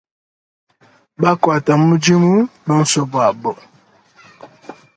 Bakuata mudimu bonso buabo.